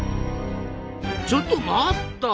ちょっと待った！